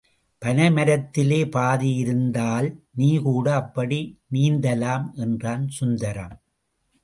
பனை மரத்திலே பாதி இருந்தால் நீகூட அப்படி நீந்தலாம் என்றான் சுந்தரம்.